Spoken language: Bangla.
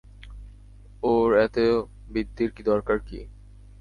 ওর এত বিদ্যের দরকার কী?